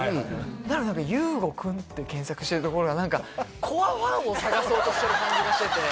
なのに「優吾くん」って検索してるところが何かコアファンを探そうとしてる感じがしてて。